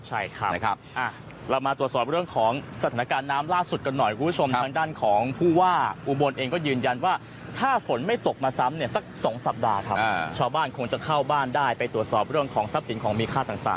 ใช่ครับนะครับเรามาตรวจสอบเรื่องของสถานการณ์น้ำล่าสุดกันหน่อยคุณผู้ชมทางด้านของผู้ว่าอุบลเองก็ยืนยันว่าถ้าฝนไม่ตกมาซ้ำเนี่ยสัก๒สัปดาห์ครับชาวบ้านคงจะเข้าบ้านได้ไปตรวจสอบเรื่องของทรัพย์สินของมีค่าต่าง